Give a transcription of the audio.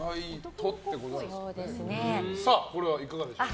これはいかがでしょう。